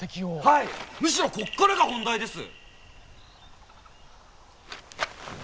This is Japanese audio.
はいむしろこっからが本題です！